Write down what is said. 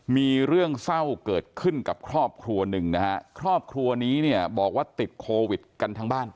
มีเรื่องเศร้าเกิดขึ้นกับครอบครัวหนึ่งนะฮะครอบครัวนี้เนี่ยบอกว่าติดโควิดกันทั้งบ้าน